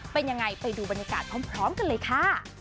เป็นยังไงไปดูบรรยากาศพร้อมกันเลยค่ะ